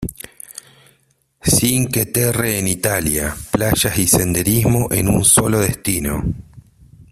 Cinque Terre en Italia: Playas y Senderismo en un solo destino